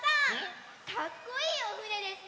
かっこいいおふねですね！